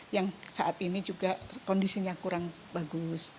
yang saat ini juga kondisinya kurang bagus